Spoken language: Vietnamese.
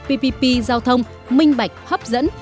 ppp giao thông minh bạch hấp dẫn